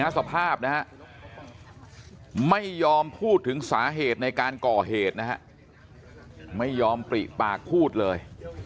สภาพนะฮะไม่ยอมพูดถึงสาเหตุในการก่อเหตุนะฮะไม่ยอมปริปากพูดเลย